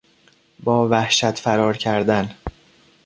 با وحشت فرار کردن